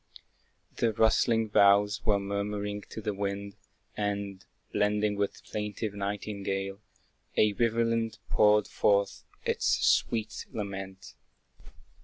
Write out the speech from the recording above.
The rustling boughs were murmuring to the wind, And, blending with the plaintive nightingale, A rivulet poured forth its sweet lament.